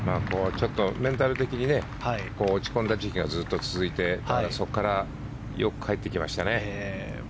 メンタル的に落ち込んだ時期がずっと続いて、ただそこからよく帰ってきましたね。